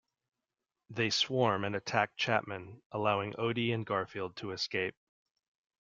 They swarm and attack Chapman, allowing Odie and Garfield to escape.